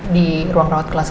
di ruang rawat kelas satu